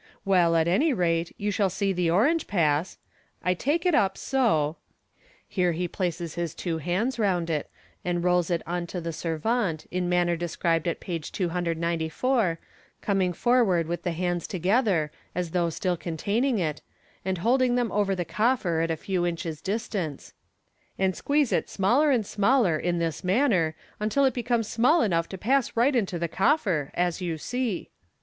Well, at any rate, you shall see the orange pass, J MODERN MAGIC take it up so1* (here he places hi two hands round it, and rolls it ok to the servante in manner described at page 294, coming forward with the hands together, as though still containing it, and holding them over the coffer at a few inches' distance), "and squeeze H smaller and smaller, in this manner, till it becomes small enough to pass right into the coffer, as you see."